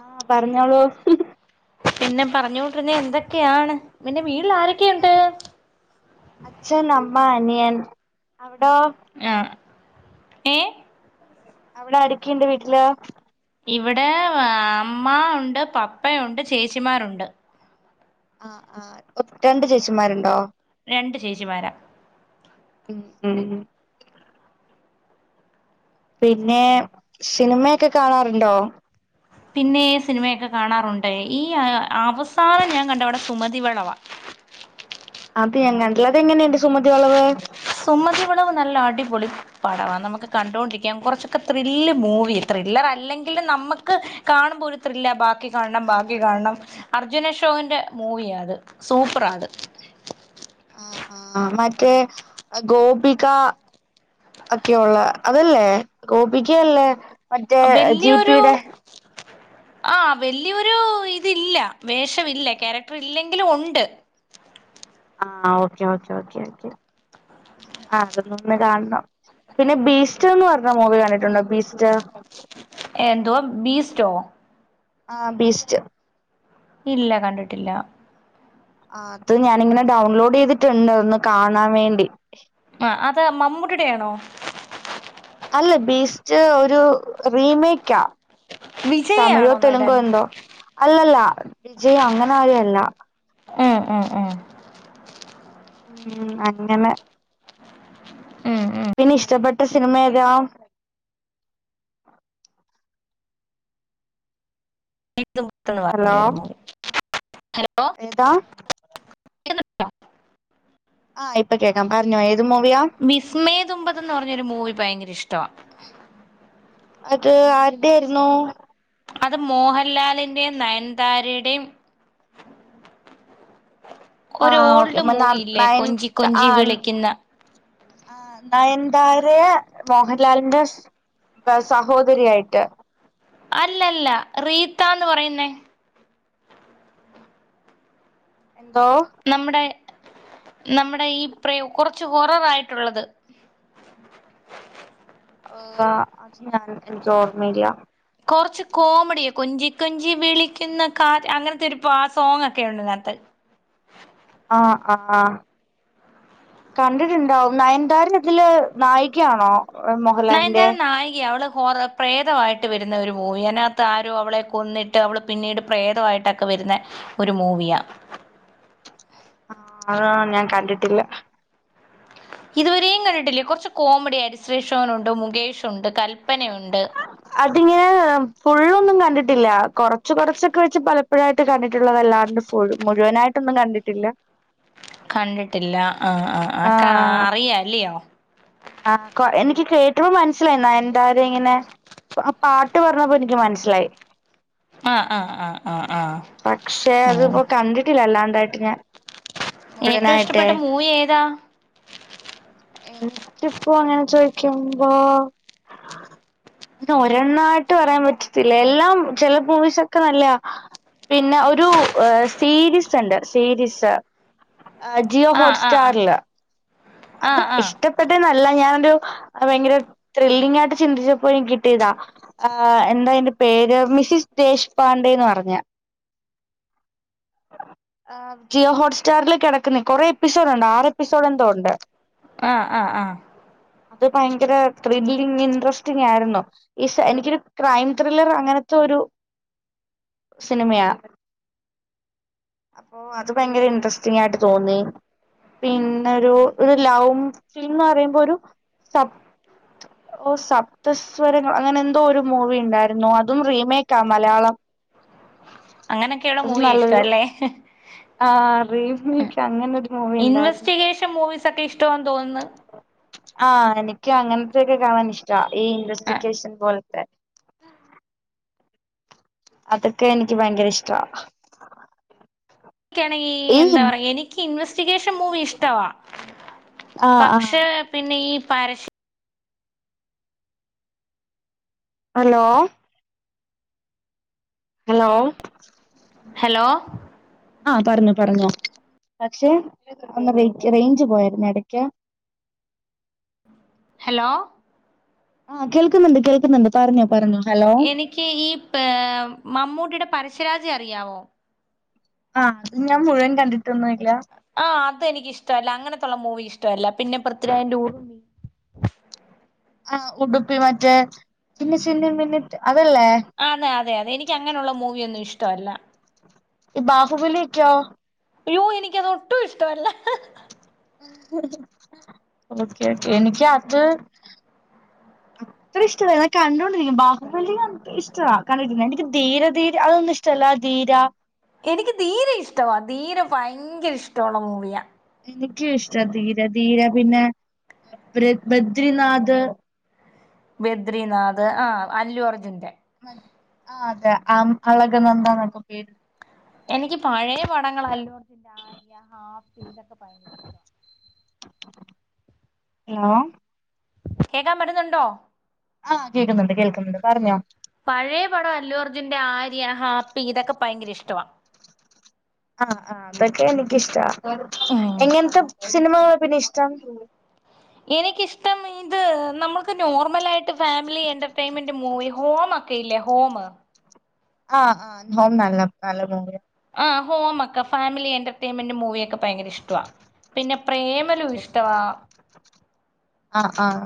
ആഹ് പറഞ്ഞോളൂ പിന്നെ പറഞ്ഞു കൂട്ട് പിന്നെ എന്തൊക്കെയാണ് നിൻ്റെ വീട്ടിൽ ആരൊക്കെയാ ആഹ് അച്ഛൻ അമ്മ അനിയൻ അവിടോ? ആഹ് ഏഹ് അവിടെ ആരൊക്കെയുണ്ട് വീട്ടില്? ഇവിടെ ആഹ് അമ്മ ഒണ്ട് പപ്പ ഒണ്ട് ചേച്ചിമാരൊണ്ട് ആഹ് ആഹ് ഒറ്റ് രണ്ട് ചേച്ചിമാരുണ്ടോ? രണ്ട് ചേച്ചിമാരാ ഉം ഉം പിന്നെ സിനിമയൊക്കെ കാണാറുണ്ടോ? പിന്നെ സിനിമയൊക്കെ കാണാറുണ്ട് ഈ അവസാനം ഞാൻ കണ്ട സിനിമ സുമതി വളവ് ആണ് അത് ഞാൻ കണ്ടില്ല ല്ലോ അത് എങ്ങനെയുണ്ട് സുമതി വളവ് സുമതി വളവ് നല്ല അടിപൊളിയ പടവാ നമുക്ക് കണ്ടോണ്ടിരിക്കാം കുറച്ചൊക്കെ ത്രില്ല് മൂവി ത്രില്ലർ അല്ലെങ്കിൽ നമുക്ക് കാണുമ്പോൾ ഒരു ത്രില്ല ബാക്കി കാണണം ബാക്കി കാണണം എന്ന് അർജുനഷോവിന്റെ മൂവിയ അത് സൂപ്പറാ അത് ഉം ഉം മറ്റേ ഗോപിക ഒക്കെ ഉള്ളെ അതല്ലേ ഗോബിക അല്ലെ മറ്റേ ജി പി യുടെ ആഹ് വല്ല്യരു വേഷമില്ല ക്യാരക്ടർ ഇല്ലെങ്കിൽ എങ്കിലും ഉണ്ട് ആഹ് ഓക്കേ ഓക്കേ ഓക്കെ ഓക്കെ ആഹ് അതൊന്ന് കാണണം പിന്നെ ബീസ്റ്റ എന്ന് പറഞ്ഞ മൂവി കണ്ടിട്ടുണ്ടോ ബീസ്റ്റ എന്ത വോ ബീ സ്റ്റോ ആഹ് ബീസ്റ്റ് ഇല്ല കണ്ടിട്ടില്ല ആഹ് അത് ഞാനിങ്ങനെ ഡൗൺലോഡ് ചെയ്തിട്ടുണ്ട് ഒന്ന് കാണാൻ വേണ്ടി ആഹ് അത് മമ്മൂട്ടുടെയാണോ അല്ല ബീസ്റ്റ് ഒരു റീമേക്ക് യാ തമിഴോ വിജയാണോ തെലുങ്കോ നടൻ എന്തോ അല്ലല്ല വിജയ അങ്ങനെ ആരും അല്ല ഏഹ് എഹ് എഹ് ഉം അങ്ങനെ ഉം ഉം പിന്നെ ഇഷ്ടപ്പെട്ട സിനിമ ഏതാ [unintelligible] ഹലോ മൂവി ഹലോ ഏതാ ആഹ് ഇപ്പൊ കേൾക്കാം പറഞ്ഞോ ഏത് മൂവിയ വിസ്മേ തുമ്പത് എന്ന് പറഞ്ഞൊരു മൂവി ഭയങ്കര ഇഷ്ട അത് ആരുടെ ആയിരുന്നു അത് മോഹൻലാലിന്റെയും നയൻതാരുയുടെയും ഒരു ആഹ് ഓക്കെ ഓൾഡ് മൂവി ഇല്ലേ നയൻ കൊഞ്ചി താ കൊഞ്ചി ആഹ് വിളിക്കുന്ന ആഹ് നായന്താരെ മോഹൻലാലിന്റെ സ് സഹോദരിയായിട്ട് അല്ലല്ല റീത്ത എന്ന് പറയുന്നേ എന്തോ നമ്മുടെ നമ്മുടെ ഈ പ്ര കുറച്ച് കൊററായിട്ടുള്ളത് അത് ഞാൻ എനിക്ക് ഓർമീയില കുറച്ച് കോമഡിയോ കൊഞ്ചി കൊഞ്ചി വിളിക്കുന്ന കാ അങ്ങനത്തെ ഒരു സോങ് ഒക്കെ ഉണ്ട് അതിനകത്ത് ആഹ് ആഹ് കണ്ടിട്ടുണ്ടാവും നയൻന്താര ഇതില് നായികയാണോ മോഹൻലാലിന്റെ നയൻ‌താര നായികയ അവള് ഹോറോ പ്രേതമായിട്ട് വരുന്ന ഒരു മൂവി അതിനകത്ത് ആരോ അവളെ കൊന്നിട്ട് അവൾ പിന്നീട് പ്രേതവായിട്ടൊക്കെ വരുന്ന ഒരു മൂവിയാ ആഹ് ഞാൻ കണ്ടിട്ടില്ല ഇതുവരെയും കണ്ടിട്ടില്ലേ കുറച്ച് കോമഡി അരിശ്രീ ശോനുണ്ട് മുകേഷുണ്ട് കല്പനയുണ്ട് അതിങ്ങനെ ഫുള് ഓന്നും കണ്ടിട്ടില്ല കൊറച്ച് കൊറച്ചൊക്കെ വെച്ച് പല ഇപ്പോഴായിട്ട് കണ്ടിട്ടുള്ളത്ല്ലാണ്ട് ഫുൾ മുഴുവനായിട്ടൊന്നും കണ്ടിട്ടില്ല കണ്ടിട്ടില്ല ആഹ് ആഹ് ആഹ് കാ അറിയാം അല്ലയോ ആഹ് എനിക്ക് കേട്ട് പൾ മനസ്സിലായിന്നാ നയൻ‌താര ഇങ്ങനെ ആഹ് പാട്ട് പറഞ്ഞപ്പോ എനിക്ക് മനസ്സിലായി ആഹ് ആഹ് ആഹ് ആഹ് ആഹ് പക്ഷെ അത്പ്പോ കണ്ടിട്ടില്ല അല്ലാതായിട്ട് ഞാൻ ഏറ്റവും മുഴുവനായിട്ടെ ഇഷ്ടപ്പെട്ട മൂവി ഏതാ ിചിപ്പ അങ്ങനെ ചോദിക്കുമ്പോ ഇ ഒരെണ്ണായിട്ട് പറയാൻ പറ്റത്തില്ല എല്ലാം ചില വിസ്ഒക്കെ നല്ല പിന്നെ ഒരു സീരീസ് ഉണ്ട് സീരീസ് ജിയോ ആ ഹോട്ട് ആ ആ സ്റ്റാറില് അത് ആഹ് ആഹ് ഇഷ്ട പെട്ട നല്ല ഞാനൊരു ഭയങ്കര ത്രില്ലിംഗ ആയിട്ട് ചിന്തിച്ചപ്പോ കിട്ടിയതാ ആ എന്താ എറെ പേര് മിസിസ് ദേശ്പാണ്ഡേന്ന് പറഞ്ഞ ആ ജിയോ ഹോട്ട് സ്റ്റാറില് കിടക്കുന്ന കൊറെ എപ്പിസോഡ ഉണ്ട് ആറ് എപ്പിസോഡ് എന്തോ ഉണ്ട് ആഹ ആഹ ആഹ അത് ഭയങ്കര ത്രില്ലിങ് ഇൻട്രസ്റ്റിങ് ആയിരുന്നു ഈ എനിക്കൊരു ക്രൈം ത്രില്ലർ അങ്ങനത്തെ ഒരു സിനിമയാ അപ്പോൊ അത് ഭയങ്കര ഇൻട്രസ്റ്റിങ് ആയിട്ട് തോന്നി പിന്നരു ഒരു ലൗവ് ഫിലിമം ഫം എന്നറയുമ്പോ ഒരു സബ ഓ സപ്തസ്വരങ്ങൾ അങ്ങനെ എന്തോ ഒരു മൂവി ഉണ്ടായിരുന്നോ അതും റീമേക്ക് ആ മലയാളം [inaudible] അങ്ങനൊക്കെയുള്ള അത് മൂവിയ ഇഷ്ട നല്ലൊരു അല്ലെ ആ റീിമിക്ക്കഅങ്ങനെൊ ഒരു മൂവി ഉണ്ട് ഇൻവെന്റികേഷൻ മൂവീസ് ഒക്കെ ഇഷ്ടെന്ന് തോന്നുന്നു ആഹ എനിക്ക് അങ്ങനത്തൊക്കെ കാണൻ ഇഷ്ട ഈ ഇൻവെസ്റ്റിഗേഷൻ പോലത്തെ അതൊക്കെ എനിക്ക് ഭയങ്കര ഇഷ്ട ണെങ്ക എന്താ പറയാ എനിക്ക് എ ഇൻവെസ്റ്റിഗേഷൻ മൂവി ഇഷ്ടവാ ആ ആ പക്ഷെ പിന്നെ ഈ പര ഹലോ ഹലോ ഹലോ ആഹ പറഞ്ഞു പറഞ്ഞോ പക്ഷെ റേഞ്ച് പോയായിുന്ന എടയ്ക്ക് [inaudible] ഹലോ ആ് കേൾക്കുന്നുണ്ട് കേൾക്കുന്നുണ്ട് പറഞ്ഞോ പറഞ്ഞോ ഹലോ എനിക്ക് ഈ മമ്മൂട്ടിയുടെ പരസ്യരാജ അറിയാവോ ആഹ ഞാൻ മുഴുവൻ കണ്ടിട്ടൊന്നും അല്ല ആഹ് അത് എനിക്ക് ഇഷ്ടല്ല അങ്ങനത്തുള്ള മൂവി ഇഷ്ടവല്ല പിന്നെൃഥവിരാജ്റെൂ ആ ഉടുപ്പി മറ്റേ പിന്നെ സിന്നി മിന്നി അതല്ലേ അതെ അതെ അതെ എനിക്ക് അങ്ങനെയുള്ള മൂവിയ ഒന്നും ഇഷ്ടവല്ല ഈ ബാഹുബിലക്കെയോ അയ്യോ എനിക്ക അത് ഒട്ടും ഇഷ്ടല്ല ഓക്കെ ഒക്കെ എനിക്ക് അത് ഇരി ഇഷ്ടല്ലെ കണ്ടുകണ്ടിരിക്ക ബാഹുബലി ഇഷ്ട കണ്ടിരിക്കുന്ന എനിക്ക് ധീര ധീര അതൊന്നും ഇഷ്ടമല്ല ധീര എനിക്ക് ധീരെ ഇഷ്ടമാണ് ധീരെ ഭയങ്കര ഇഷ്ടമുള്ള മൂവിയാ എനിക്ക ഇഷ്ടം ധീര ധീര പിന്നെ ബദ്രിനാഥ് ബദ്രനാഥ് ആ് അല്ലു അർജുന്റെ ആ അതെ ആ അളക നന്താന്നൊക്കെ പേര് എനിക്ക് പഴയ പടങ്ങൾ അല്ലോത്തിന്റെ ആര്യ ഹാഫി ഇതൊക്കെയ ഹലോ കേൾക്കാ പറ്റുന്നുണ്ടോ ആഹ് കേക്കുന്നുണ്ട് കേൾക്കുന്നുണ്ട് പറഞ്ഞോ പഴെപടം അല്ലുവർജിന്റെ ആര്യ ഹാപ്പി ഇതൊക്കെ ഭയങ്കര ഇഷ്ടുവ ആഹ് ആ അതൊക്കെ എനിക്കിഷ്ടാ ഉം എങ്ങനത്തെ സിനിമകളെ പിന്നെ ഇഷ്ടം എനിക്കിഷ്ടം ഇത് നമ്മൾക്ക് നോർമല ആയിട് ഫാമിലി എന്റർ ടൈംമെന്റ് മൂവി ഹോമൊക്കെ ഇല്ലേ ഹോമ് ആഹ് ആഹ് നോം നല്ല നല്ല മോ ആഹ് ഹോമക്ക ഫാമിലി എന്റർടൈമ്ന്റ് മൂവിയൊക്കെ ഭയങ്കര ഇഷ്ട ടുവാ പിന്നെ പ്രേമലു ഇഷ്ടവാ ആഹ് ആഹ്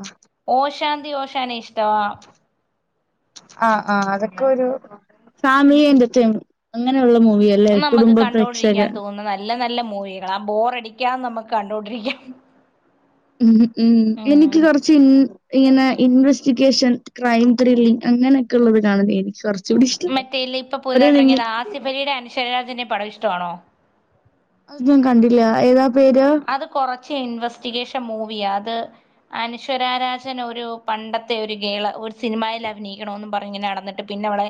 ഓഷാന്തി ഓഷാന ഇഷ്ടവാ [inaudible] ആഹ് ആഹ് അതൊക്കെ ഒരു ഫാമിലി എന്റർടൈ അങ്ങനെയുള്ള മൂവിയ ഇല്ലെ നമുക്ക് കുടുംബ പ്രേക്ഷക കണ്ടോണ്ടിരിക്കാൻ തോന്നുന്ന നല്ല നല്ല മൂവികള ബോറടിക്കാന്ന് നമ്മുക്ക് കണ്ടോണ്ടിരിക്കാം ഉം ഉം എനിക്ക് ഉം കൊറച്ച് ഇൻ ഇങ്ങനെ ഇൻവെസ്റ്റിഗേഷൻ ക്രൈം ത്രില്ലിംങ് അങ്ങനൊക്കെ ഉള്ളവിടാണ് എനിക്ക് കൊർ ചൂടി ഇഷ്ട്ടം. അപ്പത് സിഫലിടെ അൻഷര രാജനെ പടം ഇഷ്ടമാണോ? അത് ഞാൻ കണ്ടില്ല ഏതാ പേര്? അത് കൊറച്ച് ഇൻവെസ്റ്റിഗേഷൻ മൂവിയ അത് അനശ്വര രാജൻ ഒരു പണ്ടത്തെ ഒരു ഗേള് ഒരു സിനിമയിൽ അഭിനയിക്കണമന്ന് പറഞ്ഞിങ്ങനെ നടന്നി പിന്നെ അവളെ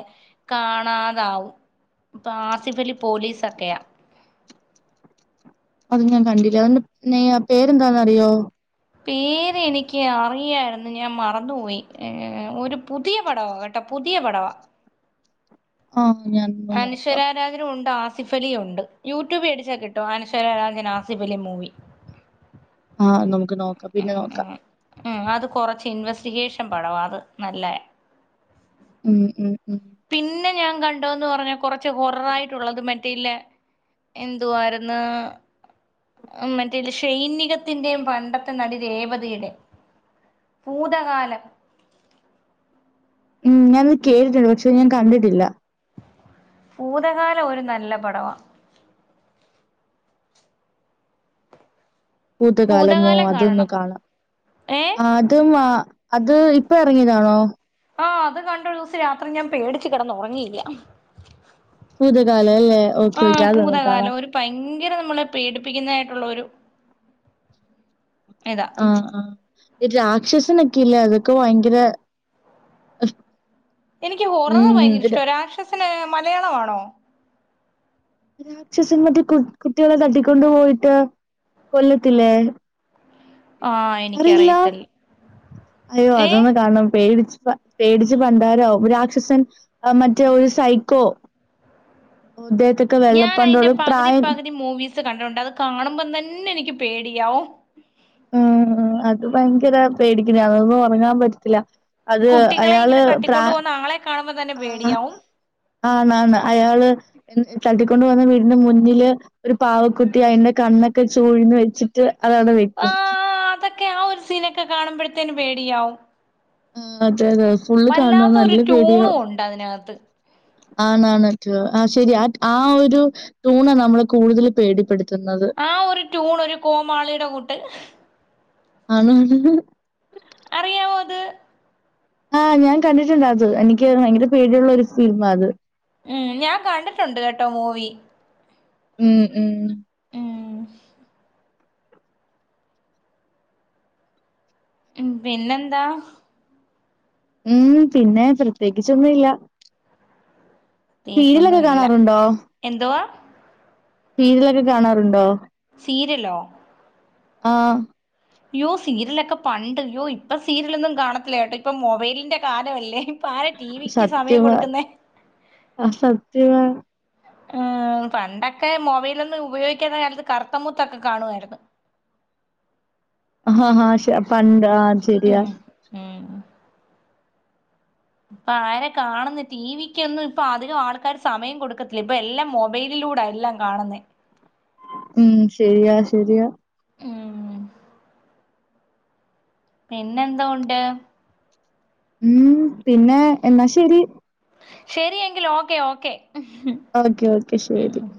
കാണാതാവും ഇപ്പൊ ആസിഫലി പോലീസൊക്കെയാ അത് ഞാൻ കണ്ടില്ല അതിന്റെ നേയ പേരെന്താന്നറിയോ? പേര് എനിക്ക് അറിയാര്ന്നു ഞാൻ മറന്നുപോയി. ഒരു പുതിയ പടമാകട് ട്ടൊ പുതിയ പടവ ആഹ്‌ ഞാൻ ഒന്ന് നോക്കാം ല്ലാവരുംണ്ട് ആസിഫലി ഉണ്ട് യൂട്യൂബ് അടിച്ചാൽ കിട്ടും അനശ്വര രാജൻ ആസിഫലി മൂവി. ആഹ്‌ നമുക്ക് നോക്കാം പിന്നെ നോക്കാം ഉം അത് കൊറച്ച് ഇൻവെസ്റ്റിഗേഷൻ പടവാ അത് നല്ല്യ ഉം ഉം ഉം പിന്നെ ഞാൻ കണ്ടോന്ന് പറഞ്ഞാ കൊറച്ചു ഹൊററോറായിട്ടുള്ളതും മെ ട്ടില്ല എന്തു ആയിരുന്ന ഉം മറ്റേ ഷൈനികത്തിന്റെയും പണ്ടത്തെ നടി രേവതിയുടെ ഭുതകാലം. ഉം ഞാനത് കേട്ടിട്ടുണ്ട് പക്ഷെ ഞാൻ കണ്ടിട്ടില്ല ഭുതകാലം ഒരു നല്ല പടവാ ഭൂതകാലമോ ഭൂതകാലം അതൊന്ന് കാണണം കാണാം ഏ ആ ത് മ അത് ഇപ്പ ഇറങ്ങിയതാണോ? ആഹ് അത് കണ്ടരൂസം രാത്രി ഞാൻ പേടിച്ച് കിടന്നുറങ്ങിയില്ല ഭുതകാല അല്ലേ ഓക്കെ ഓക്കെ ആഹ് അതൊന്നു ഭൂതകാലം കാണാം. ഒരു ഭയങ്കര നമ്മളെ പേടിപ്പിക്കുന്നതായിട്ടുള്ളൊരു ഇത ആഹ് ആഹ്‌ ഇ രാക്ഷസനൊയക്കെ ഇല്ലേ അതൊക്കെ ഭയങ്കര അഹ്‌ എനിക്ക് ഹൊററ് ഭയങ്കര ഇഷ്ട രാക്ഷസന് മലയാളവാണോ? രാക്ഷസൻ മറ്റെ കു കുട്ടികളെ തട്ടിക്കൊണ്ട് പോയിട്ട് കൊല്ലത്തില്ലേ? ആഹ് അറിയില്ല? എനിക്കറിയത്തിൽ അയ്യോ അതൊന്നു കാണണം പേടിച് പേടിച്ച് പണ്ടാരാവും. രാക്ഷസൻ അ മറ്റേരു സൈക്കോ. [unintelligible] ഞാൻ അയിൻ്റെ വെള്ളപ്പണ്ടോട് പകുതി പ്രായം പകുതി മൂവീസ് കണ്ടിട്ടുണ്ട് അത് കാണുമ്പം തന്നെ എനിക്ക് പേടിയാവും ഉം അത് ഭയങ്കര പേടിക്ക്ണയ അതൊന്നും ഉറങ്ങാൻ പറ്റത്തില്ല അത് കുട്ടികളെ അയാള് ഇങ്ങനെ പ്ര തട്ടിക്കൊണ്ടു പോകുന്ന ആളെ കാണുമ്പോ തന്നെ പേടിയാവും. ആണ് ആണ് അയാള് തട്ടിക്കൊണ്ട് പോവുന്ന വീടിന്റെ മുന്നില് ഒരു പാവക്കുട്ടി അയിന്റെ കണ്ണൊക്കെ ചൂഴ്ന്ന് വെച്ചി ത് അതവിടെ വെക്കും. ക്യാഒരു സീനൊക്കെ കാണുമ്പഴത്തേന് പേടിയാവും. അതെ അതെ ഫുള്ള് വല്ലാത്ത കാണണം ഒരു നല്ല ട്യൂണും പേടിയാവും. ഉണ്ട് അതിനകത്ത് ആണാണ് ട്യൂ ആ ശരിയ ആ ഒരു ടൂണ് നമ്മളെ കൂടുതൽ പേടിപ്പെട് ആ ഒരു ട്യൂണൊരു കോമാളിയുടെ കൂട്ട് ആണ് ഉം അറിയാവോ അത്? ആഹ് ഞാൻ കണ്ടിട്ടുണ്ടത്. എനിക്ക് ഭയങ്കര പേടിയുള്ള ഒരു ഫിൽമാത്. ഉം ഞാൻ കണ്ടിട്ടുണ്ട് കേട്ടോ മൂവി. ഉം ഉം ഉം... ഉം പിന്നെന്താ? ഉം പിന്നെ പ്രത്യേകിച്ചൊന്നുഇല്ല ത്യേകിച്ചൊന്നുഇല്ല. കാണാറുണ്ടോ എന്തുവാ? സീരിലൊക്കെ കാണാറുണ്ടോ? സീര്യലോ? ആഹ്‌ യ്യോ സീരിലൊക്കെ പണ്ട്, യ്യോ ഇപ്പ സീരിലൊന്നും കാണത്തില്ല കേട്ടോ, ഇപ്പം മൊബൈലിന്റെ കാലവല്ലേ പാരട്ടീ സത്യവാ അഹ് സത്യവാ. ഉം.. പണ്ടൊക്കെ മൊബൈലൊന്നും ഉപയോഗിക്കാത്ത കാലത്ത് കറുത്തമുത്തൊക്കെ കാണുവായിരുന്നു ആഹഹാ ശ് പണ്ട് ആഹ് ശെരിയാ ഉം ഉം പ്പാര കാണുന്ന ടി വിക്കൊന്നും ഇപ്പൊ അധികം ആൾക്കാർ സമയം കൊടുക്കത്തില്ല. ഇപ്പൊ എല്ലാം മൊബൈലിലൂടെ എല്ലാം കാണുന്നെ ഉം ശരിയാ ശരിയാ ഉം പിന്നെന്തോ ഉണ്ട് ഉം പിന്നെ എന്നാ ശരി ശരിയെങ്കിൽ ഓക്കേ ഓക്കെ ഓക്കെ ഓക്കെ ശെരി ഉം